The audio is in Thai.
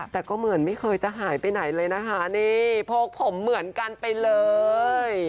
แต่ก็เหมือนไม่เคยจะหายไปไหนเลยนะคะนี่โพกผมเหมือนกันไปเลย